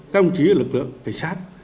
các ông chí lực lượng cảnh sát